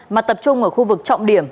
mà tập trung ở khu vực trọng điểm